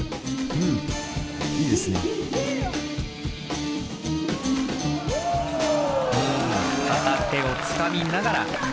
うん片手をつかみながら。